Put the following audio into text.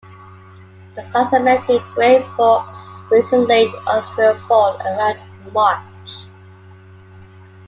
The South American gray fox breeds in late austral fall, around March.